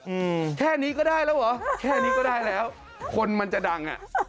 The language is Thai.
อืมแค่นี้ก็ได้แล้วเหรอแค่นี้ก็ได้แล้วคนมันจะดังอ่ะ